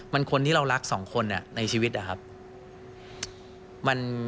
มันคนที่เรารักสองคนในชีวิตอะครับ